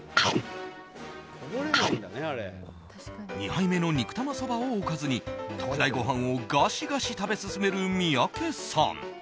２杯目の肉玉そばをおかずに特大ご飯をガシガシ食べ進める三宅さん。